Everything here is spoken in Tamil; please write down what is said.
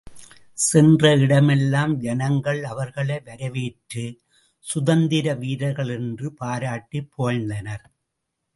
சென்ற இடமெல்லாம் ஜனங்கள் அவ்ர்களை வரவேற்று, சுதந்திர வீரர்கள் என்று பாராட்டிப் புகழ்ந்தனர்.